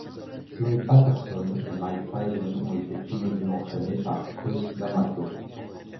Floyd Patterson et Mike Tyson ont été tous les deux entrainés par Cus D'Amato.